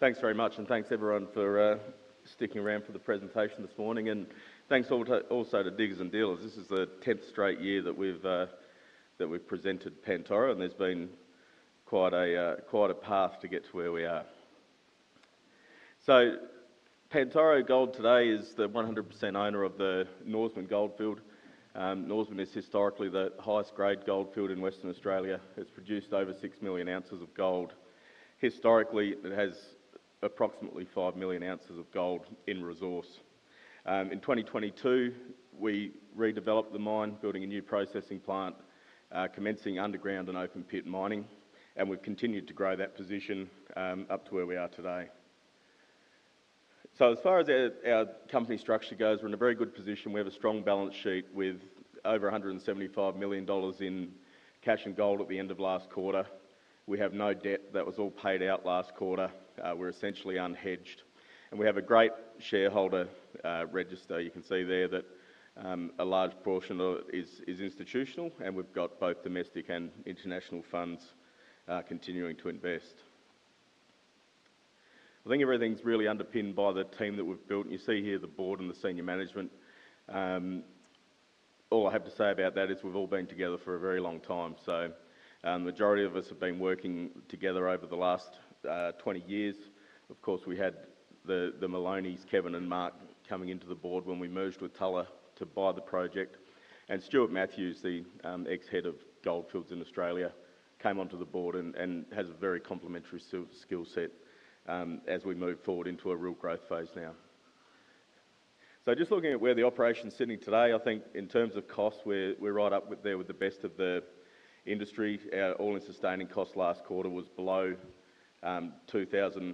Thanks very much, and thanks everyone for sticking around for the presentation this morning. Thanks also to Diggers & Dealers. This is the 10th straight year that we've presented Pantoro, and there's been quite a path to get to where we are. Pantoro today is the 100% owner of the Norseman Goldfield. Norseman is historically the highest grade goldfield in Western Australia. It's produced over 6 million oz of gold. Historically, it has approximately 5 million oz of gold in resource. In 2022, we redeveloped the mine, building a new ore processing plant, commencing underground and open pit mining, and we've continued to grow that position up to where we are today. As far as our company structure goes, we're in a very good position. We have a strong balance sheet with over $175 million in cash and gold at the end of last quarter. We have no debt. That was all paid out last quarter. We're essentially unhedged, and we have a great shareholder register. You can see there that a large portion of it is institutional, and we've got both domestic and international funds continuing to invest. I think everything's really underpinned by the team that we've built, and you see here the board and the senior management. All I have to say about that is we've all been together for a very long time. The majority of us have been working together over the last 20 years. Of course, we had the Maloneys, Kevin and Mark, coming into the board when we merged with Tulla to buy the project. Stuart Matthews, the ex-head of Gold Fields Australia, came onto the board and has a very complementary skill set as we move forward into a real growth phase now. Just looking at where the operation is sitting today, I think in terms of costs, we're right up there with the best of the industry. Our all-in sustaining cost last quarter was below $2,000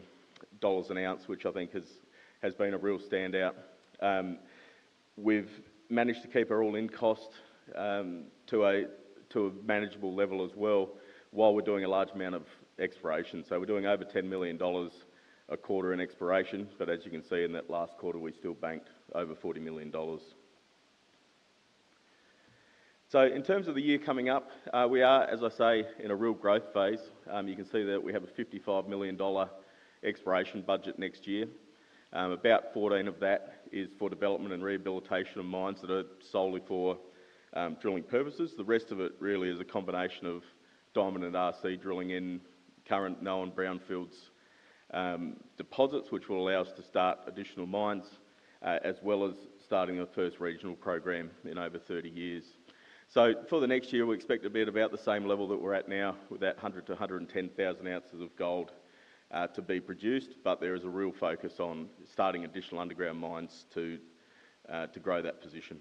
an oz, which I think has been a real standout. We've managed to keep our all-in cost to a manageable level as well while we're doing a large amount of exploration. We're doing over $10 million a quarter in exploration, but as you can see in that last quarter, we still banked over $40 million. In terms of the year coming up, we are, as I say, in a real growth phase. You can see that we have a $55 million exploration budget next year. About $14 million of that is for development and rehabilitation of mines that are solely for drilling purposes. The rest of it really is a combination of dominant RC drilling in current known brownfields deposits, which will allow us to start additional mines, as well as starting our first regional program in over 30 years. For the next year, we expect about the same level that we're at now with that 100,000 oz-110,000 oz of gold to be produced, but there is a real focus on starting additional underground mines to grow that position.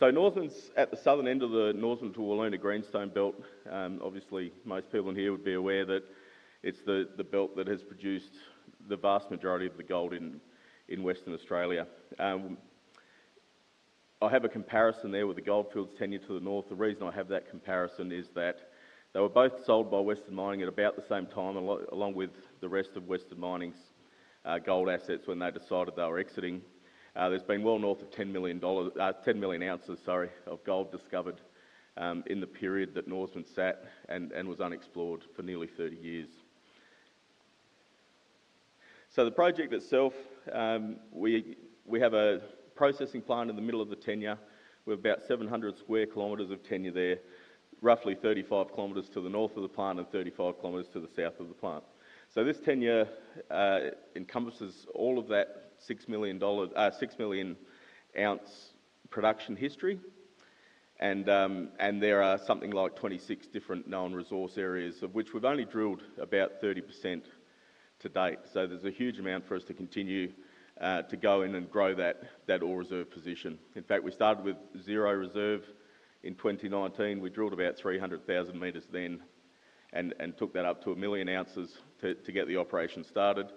Norseman's at the southern end of the Norseman to Orlanda Greenstone Belt. Obviously, most people in here would be aware that it's the belt that has produced the vast majority of the gold in Western Australia. I have a comparison there with the Gold Fields Australia tenure to the north. The reason I have that comparison is that they were both sold by Western Mining at about the same time, along with the rest of Western Mining's gold assets when they decided they were exiting. There's been well north of 10 million oz of gold discovered in the period that Norseman sat and was unexplored for nearly 30 years. The project itself, we have a processing plant in the middle of the tenure. We have about 700 square km of tenure there, roughly 35 km to the north of the plant and 35 km to the south of the plant. This tenure encompasses all of that 6 million oz production history, and there are something like 26 different known resource areas, of which we've only drilled about 30% to date. There's a huge amount for us to continue to go in and grow that all-reserve position. In fact, we started with zero reserve in 2019. We drilled about 300,000 m then and took that up to a million oz to get the operation started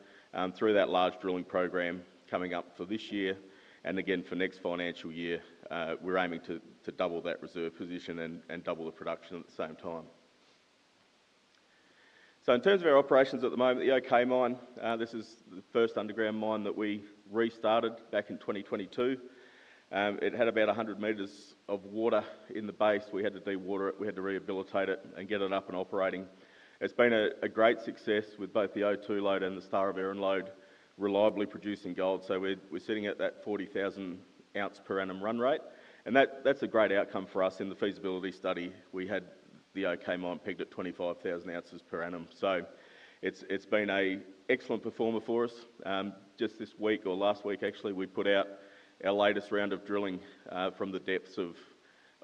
through that large drilling program coming up for this year. For next financial year, we're aiming to double that reserve position and double the production at the same time. In terms of our operations at the moment, the OK Underground Mine, this is the first underground mine that we restarted back in 2022. It had about 100 m of water in the base. We had to dewater it. We had to rehabilitate it and get it up and operating. It's been a great success with both the O2 Lode and the Star of Iron Lode reliably producing gold. We're sitting at that 40,000 oz per annum run rate, and that's a great outcome for us in the feasibility study. We had the OK Underground Mine pegged at 25,000 oz per annum. It's been an excellent performer for us. Just this week or last week, actually, we put out our latest round of drilling from the depths of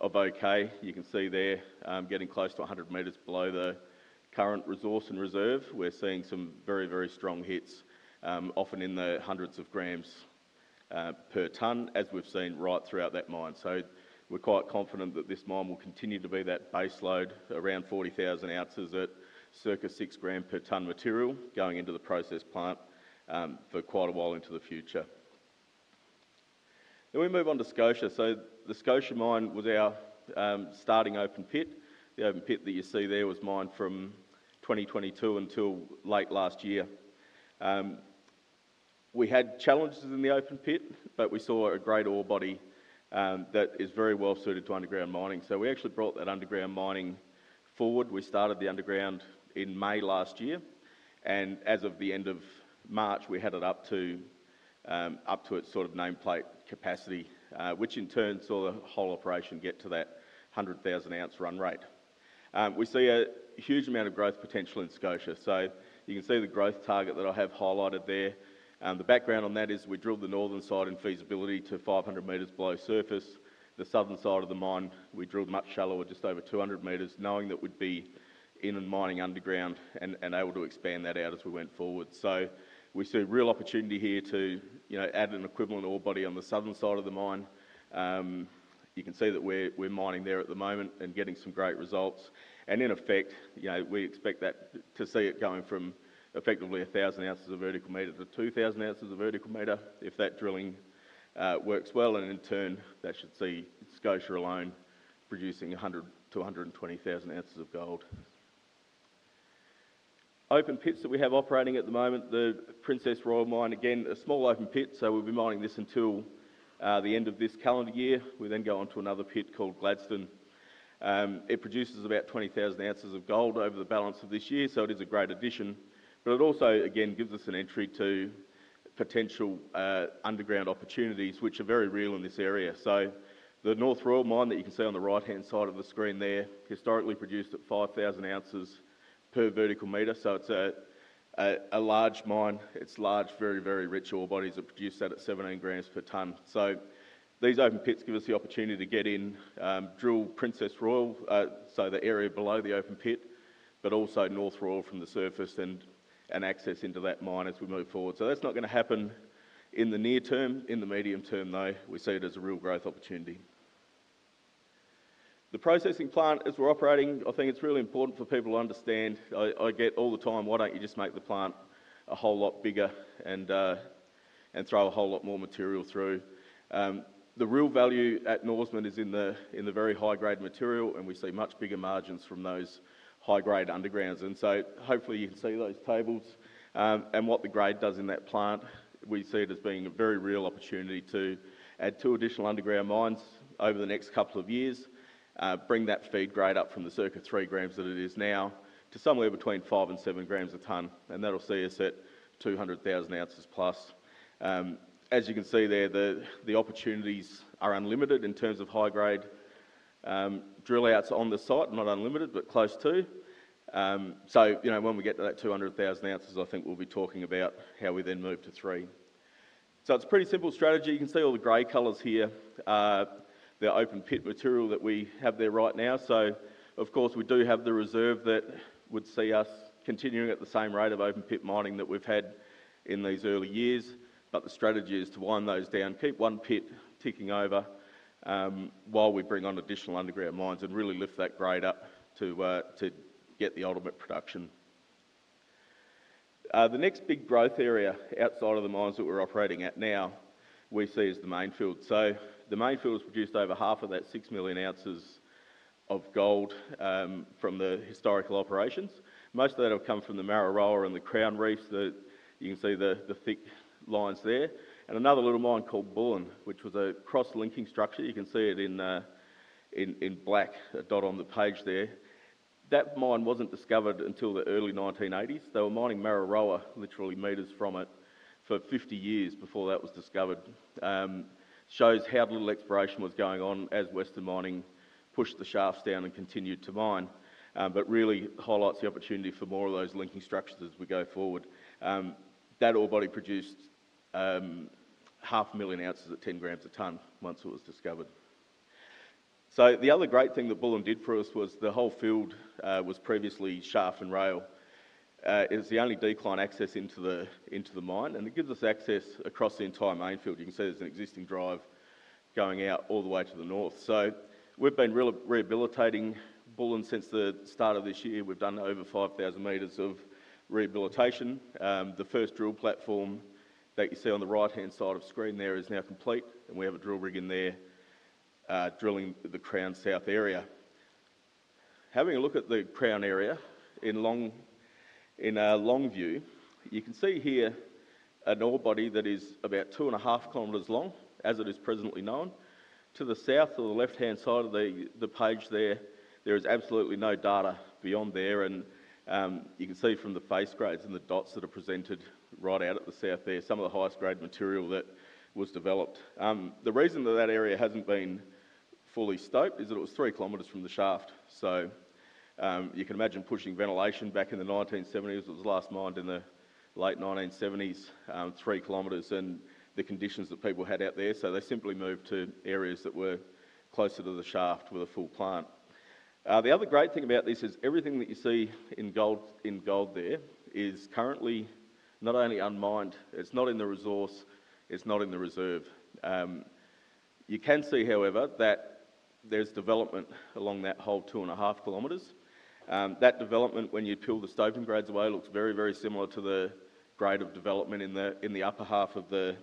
OK Underground Mine. You can see there getting close to 100 m below the current resource and reserve. We're seeing some very, very strong hits, often in the hundreds of g/t, as we've seen right throughout that mine. We're quite confident that this mine will continue to be that base load around 40,000 oz at circa six gram per ton material going into the ore processing plant for quite a while into the future. We move on to Scotia. The Scotia Mine was our starting open pit. The open pit that you see there was mined from 2022 until late last year. We had challenges in the open pit, but we saw a great ore body that is very well suited to underground mining. We actually brought that underground mining forward. We started the underground in May last year, and as of the end of March, we had it up to its sort of nameplate capacity, which in turn saw the whole operation get to that 100,000 oz run rate. We see a huge amount of growth potential in Scotia. You can see the growth target that I have highlighted there. The background on that is we drilled the northern side in feasibility to 500 m below surface. The southern side of the mine, we drilled much shallower, just over 200 m, knowing that we'd be in and mining underground and able to expand that out as we went forward. We see real opportunity here to add an equivalent ore body on the southern side of the mine. You can see that we're mining there at the moment and getting some great results. In effect, we expect to see it going from effectively 1,000 oz of vertical meter to 2,000 oz of vertical meter if that drilling works well. In turn, that should see Scotia alone producing 100,000 oz-120,000 oz of gold. Open pits that we have operating at the moment, the Princess Royal Mine, again, a small open pit. We'll be mining this until the end of this calendar year. We then go on to another pit called Gladstone. It produces about 20,000 oz of gold over the balance of this year. It is a great addition, but it also, again, gives us an entry to potential underground opportunities, which are very real in this area. The North Royal Mine that you can see on the right-hand side of the screen there, historically produced at 5,000 oz per vertical meter. It's a large mine. It's large, very, very rich ore bodies that produce that at 17 g/t. These open pits give us the opportunity to get in, drill Princess Royal, the area below the open pit, but also North Royal from the surface and access into that mine as we move forward. That is not going to happen in the near term. In the medium term, though, we see it as a real growth opportunity. The processing plant as we're operating, I think it's really important for people to understand. I get all the time, why don't you just make the plant a whole lot bigger and throw a whole lot more material through? The real value at Norseman is in the very high-grade material, and we see much bigger margins from those high-grade undergrounds. Hopefully, you can see those tables and what the grade does in that plant. We see it as being a very real opportunity to add two additional underground mines over the next couple of years, bring that feed grade up from the circa three grams that it is now to somewhere between five and seven grams a ton. That will see us at 200,000 oz+. As you can see there, the opportunities are unlimited in terms of high-grade drill outs on the site, not unlimited, but close to. When we get to that 200,000 oz, I think we'll be talking about how we then move to three. It is a pretty simple strategy. You can see all the gray colors here. They're open pit material that we have there right now. Of course, we do have the reserve that would see us continuing at the same rate of open pit mining that we've had in these early years. The strategy is to wind those down, keep one pit ticking over while we bring on additional underground mines and really lift that grade up to get the ultimate production. The next big growth area outside of the mines that we're operating at now, we see is the Mainfield. The Mainfield has produced over half of that 6 million oz of gold from the historical operations. Most of that will come from the Mara Roll and the Crown Reefs. You can see the thick lines there. Another little mine called Bullen, which was a cross-linking structure, you can see it in black, a dot on the page there. That mine was not discovered until the early 1980s. They were mining Mara Roll literally m from it for 50 years before that was discovered. It shows how little exploration was going on as Western Mining pushed the shafts down and continued to mine, but really highlights the opportunity for more of those linking structures as we go forward. That ore body produced half a million oz at 10 g/t once it was discovered. The other great thing that Bullen did for us was the whole field was previously shaft and rail. It's the only decline access into the mine, and it gives us access across the entire Mainfield. You can see there's an existing drive going out all the way to the north. We've been rehabilitating Bullen since the start of this year. We've done over 5,000 m of rehabilitation. The first drill platform that you see on the right-hand side of the screen there is now complete, and we have a drill rig in there drilling the Crown South area. Having a look at the Crown area in long view, you can see here an ore body that is about 2.5 km long, as it is presently known. To the south of the left-hand side of the page there, there is absolutely no data beyond there. You can see from the face grades and the dots that are presented right out at the south there, some of the highest grade material that was developed. The reason that area hasn't been fully stoped is that it was 3 km from the shaft. You can imagine pushing ventilation back in the 1970s. It was last mined in the late 1970s, 3 km in the conditions that people had out there. They simply moved to areas that were closer to the shaft with a full plant. The other great thing about this is everything that you see in gold there is currently not only unmined, it's not in the resource, it's not in the reserve. You can see, however, that there's development along that whole 2.5 km. That development, when you peel the stoping grades away, looks very, very similar to the grade of development in the upper half of the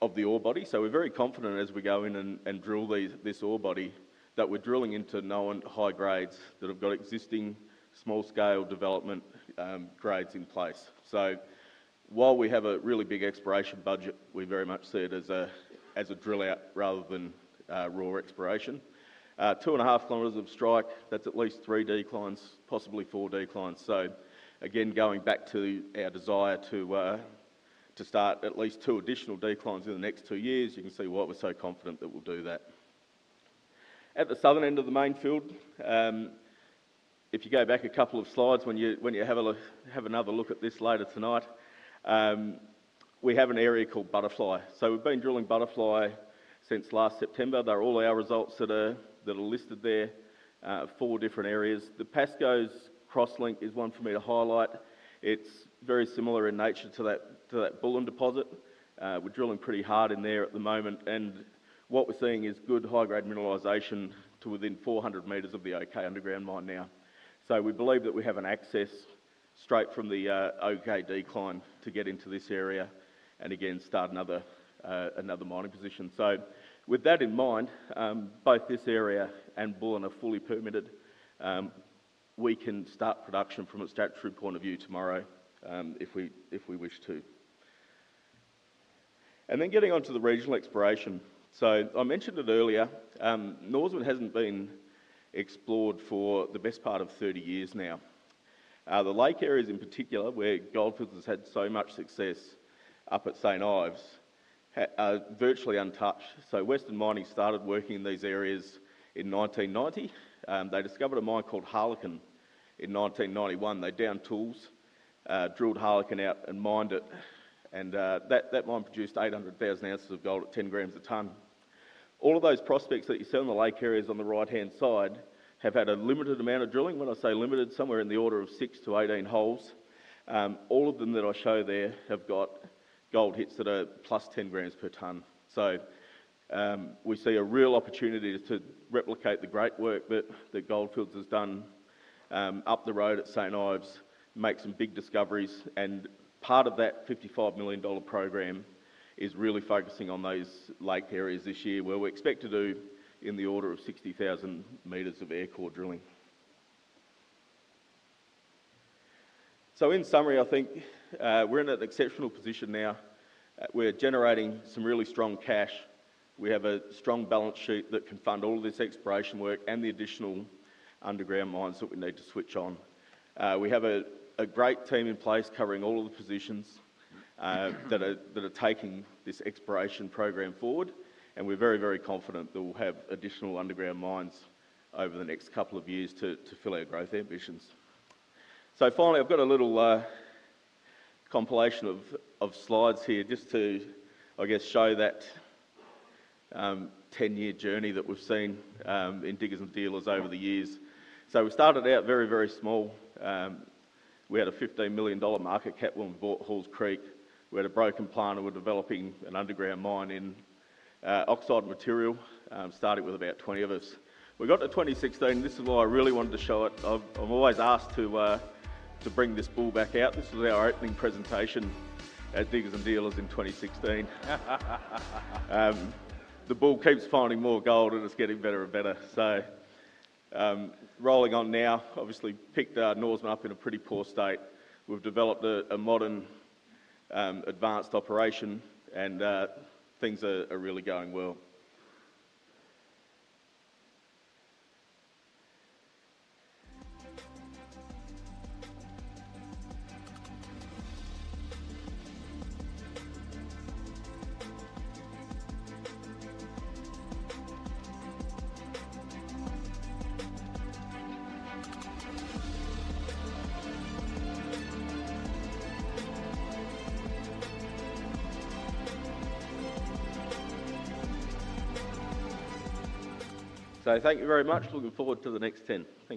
ore body. We're very confident as we go in and drill this ore body that we're drilling into known high grades that have got existing small-scale development grades in place. While we have a really big exploration budget, we very much see it as a drill out rather than raw exploration. 2.5 km of strike, that's at least three declines, possibly four declines. Going back to our desire to start at least two additional declines in the next two years, you can see why we're so confident that we'll do that. At the southern end of the Mainfield, if you go back a couple of slides, when you have another look at this later tonight, we have an area called Butterfly. We've been drilling Butterfly since last September. There are all our results that are listed there, four different areas. The Pascoe's Cross Link is one for me to highlight. It's very similar in nature to that Bullen deposit. We're drilling pretty hard in there at the moment. What we're seeing is good high-grade mineralization to within 400 m of the OK Underground Mine now. We believe that we have an access straight from the OK decline to get into this area and again start another mining position. With that in mind, both this area and Bullen are fully permitted. We can start production from a statutory point of view tomorrow if we wish to. Getting onto the regional exploration, I mentioned it earlier, Norseman hasn't been explored for the best part of 30 years now. The lake areas in particular, where Gold Fields Australia has had so much success up at St. Ives, are virtually untouched. Western Mining started working in these areas in 1990. They discovered a mine called Harlequin in 1991. They downed tools, drilled Harlequin out, and mined it. That mine produced 800,000 oz of gold at 10 grams a ton. All of those prospects that you see on the lake areas on the right-hand side have had a limited amount of drilling. When I say limited, somewhere in the order of six to 18 holes. All of them that I show there have got gold hits that are +10 g/t. We see a real opportunity to replicate the great work that Gold Fields Australia has done up the road at St. Ives, make some big discoveries. Part of that $55 million program is really focusing on those lake areas this year where we expect to do in the order of 60,000 m of air core drilling. In summary, I think we're in an exceptional position now. We're generating some really strong cash. We have a strong balance sheet that can fund all of this exploration work and the additional underground mines that we need to switch on. We have a great team in place covering all of the positions that are taking this exploration program forward. We're very, very confident that we'll have additional underground mines over the next couple of years to fill our growth ambitions. Finally, I've got a little compilation of slides here just to, I guess, show that 10-year journey that we've seen in Diggers & Dealers over the years. We started out very, very small. We had a $15 million market cap when we bought Halls Creek. We had a broken plan and were developing an underground mine in oxide material, started with about 20 of us. We got to 2016. This is why I really wanted to show it. I'm always asked to bring this bull back out. This was our opening presentation at Diggers & Dealers in 2016. The bull keeps finding more gold and it's getting better and better. Rolling on now, obviously picked Norseman up in a pretty poor state. We've developed a modern, advanced operation and things are really going well. Thank you very much. Looking forward to the next 10. Thank you.